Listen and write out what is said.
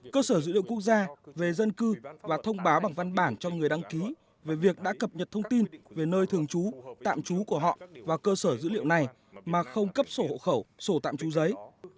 cơ sở dữ liệu quốc gia về dân cư và thông báo bằng văn bản cho người đăng ký về việc đã cập nhật thông tin về nơi thường trú tạm trú của họ và cơ sở dữ liệu này mà không cấp sổ hộ khẩu sổ tạm trú giấy